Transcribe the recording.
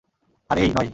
আর এই, নয়।